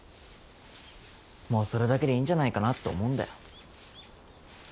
もうそれだけでいいんじゃないかなって思うんだよ